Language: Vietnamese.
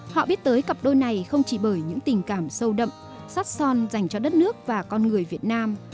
họ biết tới cặp đôi này không chỉ bởi những tình cảm sâu đậm sắt son dành cho đất nước và con người việt nam